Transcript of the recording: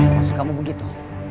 kok kamu begitu